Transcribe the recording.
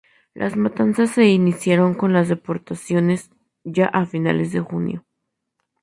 Las matanzas se iniciaron con las deportaciones, ya a finales de junio.